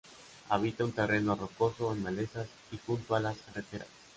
Habita en terreno rocoso, en malezas y junto a las carreteras.